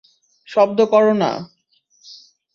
শব্দ কর না।